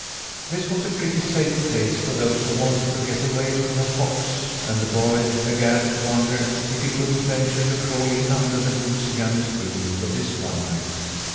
This was a pretty safe place for those who wanted to get away from a fox, and the boy began to wonder if he couldn't venture to crawl in under the goosey gander's wing for this one night.